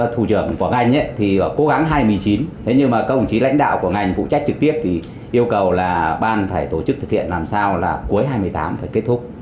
thủ trưởng quảng anh thì cố gắng hai mươi chín thế nhưng mà công chí lãnh đạo quảng anh phụ trách trực tiếp thì yêu cầu là ban phải tổ chức thực hiện làm sao là cuối hai mươi tám phải kết thúc